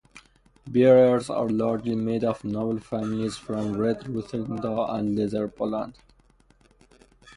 Bearers are largely made up of noble families from Red Ruthenia and Lesser Poland.